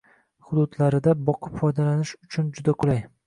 hududlarida boqib foydalanish uchun juda qulay.